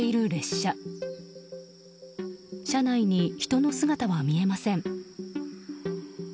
車内に人の姿は見えません。